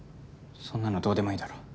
そんなのどうでもいいだろ